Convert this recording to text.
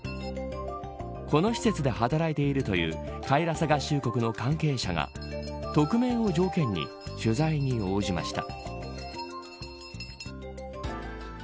この施設で働いているというカイラサ合衆国の関係者が匿名を条件に取材に応じました。